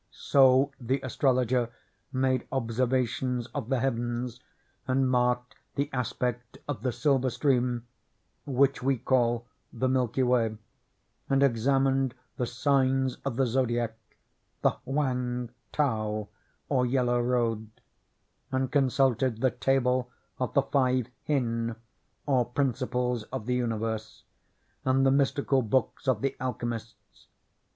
So the astrologer made observa tions of the heavens, and marked the aspect of the Silver Stream (which we call the Milky Way) , and examined the signs of the Zodiac, — the Hwang tao, or Yellow Road, — and consulted the table of the Five Hin, or Principles of the Universe, and the mystical books of the alchem ists.